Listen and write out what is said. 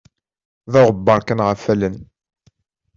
D aɣebbaṛ kan ɣef allen.